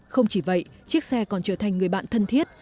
không chỉ vậy chiếc xe còn trở thành người bạn thân thiết